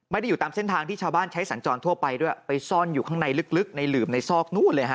อยู่ตามเส้นทางที่ชาวบ้านใช้สัญจรทั่วไปด้วยไปซ่อนอยู่ข้างในลึกในหลืมในซอกนู้นเลยฮะ